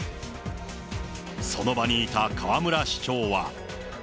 その場にいた河村市長は。